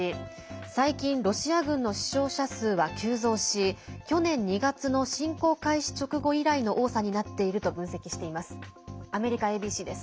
最近、ロシア軍の死傷者数は急増し去年２月の侵攻開始直後以来の多さになっていると分析しています。